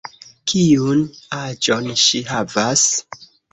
Kiun aĝon ŝi havas?